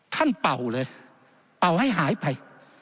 เป่าเลยเป่าให้หายไป